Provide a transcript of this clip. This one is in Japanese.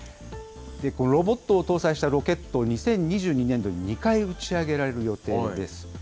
ロボットを搭載したロケット、２０２２年度に２回打ち上げられる予定です。